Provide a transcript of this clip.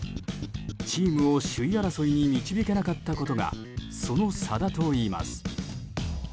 チームを首位争いに導けなかったことがその差だといいます。